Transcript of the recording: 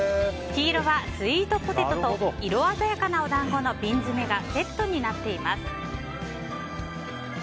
黄色はスイートポテトと色鮮やかなお団子の瓶詰がセットになっています。